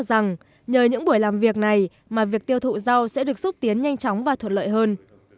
rằng nhờ những buổi làm việc này mà việc tiêu thụ rau sẽ được xúc tiến nhanh chóng và thuận lợi hơn